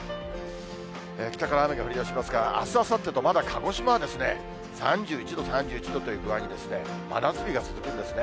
北から雨が降りだしますが、あす、あさってと、まだ鹿児島は３１度、３１度という具合に、真夏日が続くんですね。